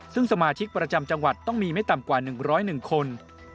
ซึ่งสมาชิกประจำจังหวัดต้องมีไม่ต่ำกว่า๑๐๑คน